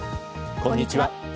こんにちは。